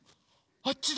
あっちだ！